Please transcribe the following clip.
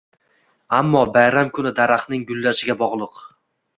Ammo bayram kuni daraxtning gullashiga bog’liq.